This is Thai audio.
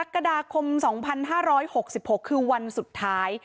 ๑๓กค๒๕๖๖คือวันสุดท้าย